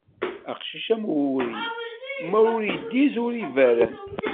Aqcic am uwri, ma ur iddiz, ur iberren.